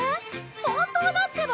本当だってば！